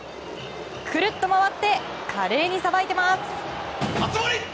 くるっと回って華麗にさばいてます！